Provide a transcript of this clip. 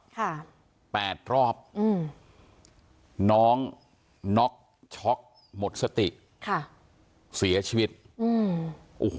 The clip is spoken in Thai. ค่ะแปดรอบน้องน็อกช็อกหมดสติค่ะเสียชีวิตอืม